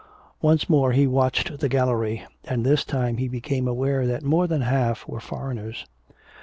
Once more he watched the gallery, and this time he became aware that more than half were foreigners.